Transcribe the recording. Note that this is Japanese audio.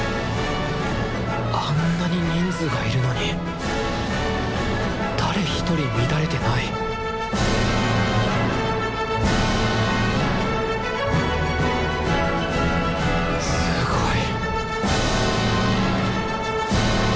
あんなに人数がいるのに誰一人乱れてないすごい！